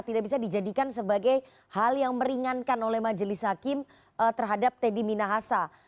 tidak bisa dijadikan sebagai hal yang meringankan oleh majelis hakim terhadap teddy minahasa